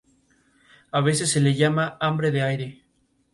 A veces se le llama "hambre de aire".